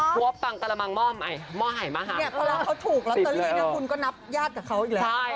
หัวปังตรมังหม้อหายมาหาเนี่ยพอเราเขาถูกแล้วตอนนี้เนี่ยคุณก็นับญาติกับเขาอีกแล้ว